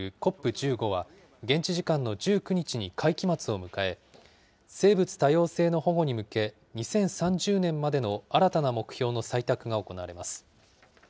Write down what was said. １５は、現地時間の１９日に会期末を迎え、生物多様性の保護に向け、２０３０年までの新たな目標の採択が行われます。